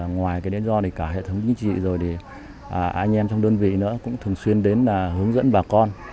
ngoài cái đến do cả hệ thống chính trị rồi anh em trong đơn vị nữa cũng thường xuyên đến hướng dẫn bà con